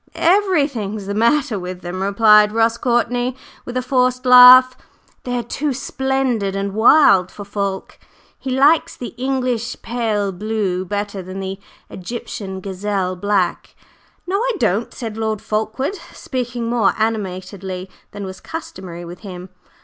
"Everything's the matter with them!" replied Ross Courtney with a forced laugh. "They are too splendid and wild for Fulke; he likes the English pale blue better than the Egyptian gazelle black." "No, I don't," said Lord Fulkeward, speaking more animatedly than was customary with him.